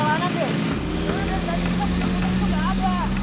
gak ada jalanan gaya